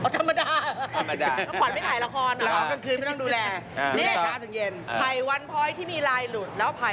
อ๋อธรรมดาเหรอฮะฮะฮะฮะฮะฮะฮะฮะฮะฮะฮะฮะฮะ